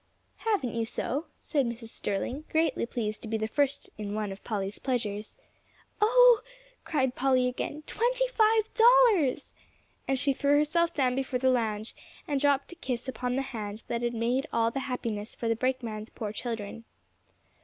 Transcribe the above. "Haven't you so?" said Mrs. Sterling, greatly pleased to be the first in one of Polly's pleasures. "Oh!" cried Polly again, "twenty five dollars!" And she threw herself down before the lounge, and dropped a kiss upon the hand that had made all this happiness for the brakeman's poor children.